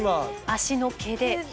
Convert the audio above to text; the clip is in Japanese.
脚の毛で。